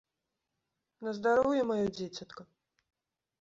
На здароўе, маё дзіцятка!